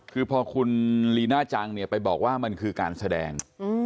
คือพอคุณลีน่าจังเนี่ยไปบอกว่ามันคือการแสดง